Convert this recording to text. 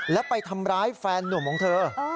แล้วไปทำร้ายแฟนนุ่มของเธอ